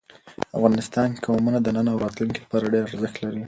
افغانستان کې قومونه د نن او راتلونکي لپاره ډېر ارزښت لري.